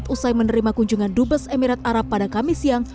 usai menerima kunjungan dubes emirat arab pada kamis siang